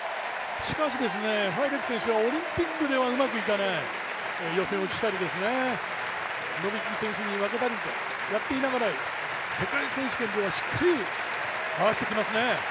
しかしファイデク選手はオリンピックではうまくいかない、予選落ちしたり、ノビキ選手に負けたりとやっていながら世界選手権ではしっかり合わせてきますね。